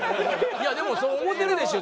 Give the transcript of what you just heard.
いやでもそう思ってるでしょ？